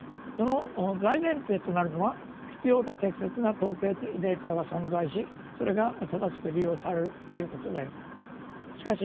その大前提となるのは必要で適切な統計データが存在しそれが正しく利用されるということであります。